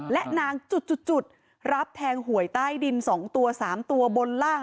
และนางจุดรับแทงหวยใต้ดิน๒ตัว๓ตัวบนล่าง